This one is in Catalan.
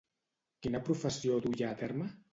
Quina professió duia a terme?